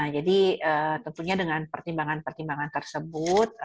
jadi tentunya dengan pertimbangan pertimbangan tersebut